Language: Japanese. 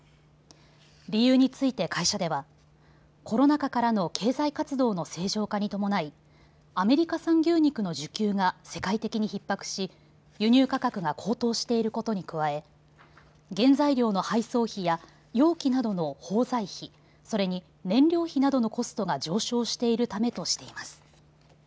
理由について会社ではコロナ禍からの経済活動の正常化に伴いアメリカ産牛肉の需給が世界的にひっ迫し輸入価格が高騰していることに加え原材料の配送費や容器などの包材費、それに燃料費などのコストが上昇しているためとしています。